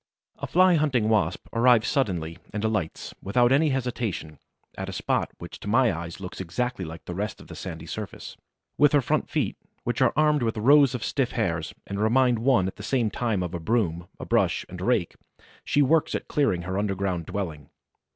A Fly hunting Wasp arrives suddenly and alights, without any hesitation, at a spot which to my eyes looks exactly like the rest of the sandy surface. With her front feet, which are armed with rows of stiff hairs and remind one at the same time of a broom, a brush, and a rake, she works at clearing her underground dwelling.